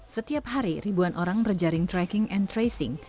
setiap hari ribuan orang berjaring tracking and tracing